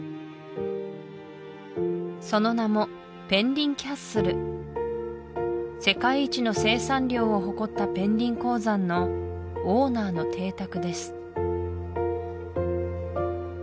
その名も世界一の生産量を誇ったペンリン鉱山のオーナーの邸宅です